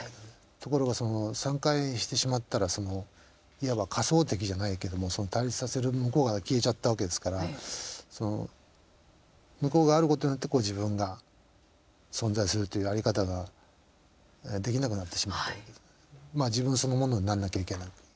ところがその散開してしまったらいわば仮想敵じゃないけども対立させる向こうが消えちゃったわけですから向こうがあることによって自分が存在するっていう在り方ができなくなってしまってまあ自分そのものになんなきゃいけない。